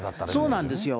そうなんですよ。